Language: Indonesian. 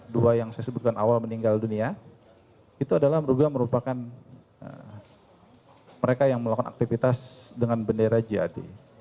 dua yang saya sebutkan awal meninggal dunia itu adalah merupakan mereka yang melakukan aktivitas dengan bendera jad